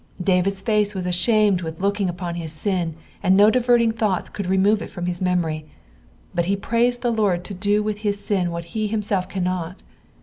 David's face was ashamed witti looking on his sin, aud no diverting thoughts could remove it from his memory ; but he prays the Lord to do with his SID what he himself cannot.